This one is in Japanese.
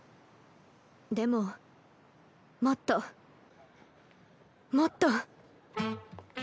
でももっともっと！